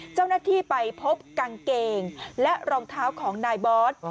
เจ้าหน้าที่ไปพบกางเกงและรองเท้าของนายบอส